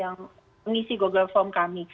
yang mengisi google form kami